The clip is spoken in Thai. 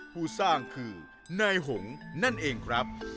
ผู้สร้างคือนายหงนั่นเองครับ